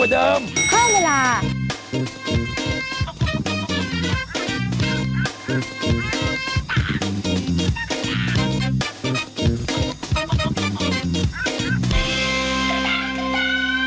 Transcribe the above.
สวัสดีค่ะ